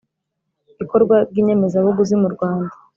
ikorwa ry inyemezabuguzi mu Rwanda